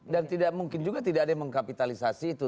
dan tidak mungkin juga tidak ada yang mengkapitalisasi itu